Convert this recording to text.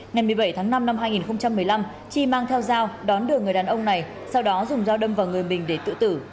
ngày một mươi bảy tháng năm năm hai nghìn một mươi năm chi mang theo dao đón được người đàn ông này sau đó dùng dao đâm vào người mình để tự tử